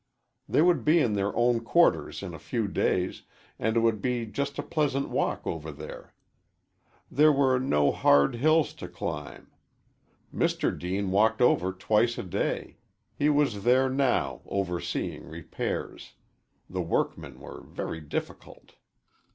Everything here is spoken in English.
They would be in their own quarters in a few days, and it would be just a pleasant walk over there. There were no hard hills to climb. Mr. Deane walked over twice a day. He was there now, overseeing repairs. The workmen were very difficult.